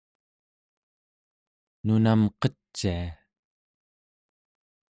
nunam qecia